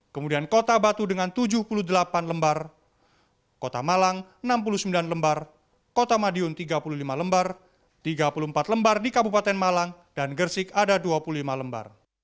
kemudian kota batu dengan tujuh puluh delapan lembar kota malang enam puluh sembilan lembar kota madiun tiga puluh lima lembar tiga puluh empat lembar di kabupaten malang dan gersik ada dua puluh lima lembar